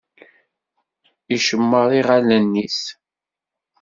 Icemmeṛ i yiɣallen-is.